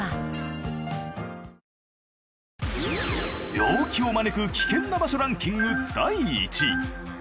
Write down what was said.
病気を招く危険な場所ランキング第１位。